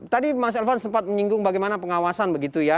tadi mas elvan sempat menyinggung bagaimana pengawasan